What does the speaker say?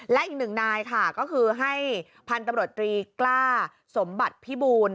และอีกหนึ่งนายค่ะก็คือให้พันธุ์ตำรวจตรีกล้าสมบัติพิบูล